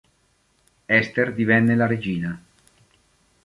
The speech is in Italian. Ester divenne la regina.